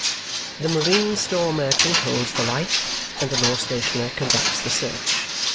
The marine store merchant holds the light, and the law stationer conducts the search.